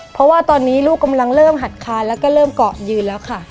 เพราะว่าตอนนี้ลูกกำลังเริ่มหัดคานแล้วก็เริ่มเกาะยืนแล้วค่ะ